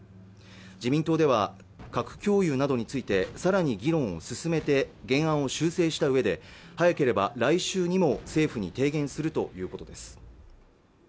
自民党では核共有などについてさらに議論を進めて原案を修正したうえで早ければ来週にも政府に提言するということです